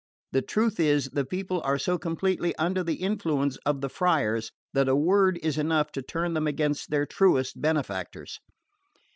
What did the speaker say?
The truth is, the people are so completely under the influence of the friars that a word is enough to turn them against their truest benefactors.